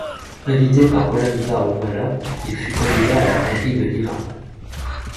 Invité par Ollanta Humala, il fut candidat à la mairie de Lima.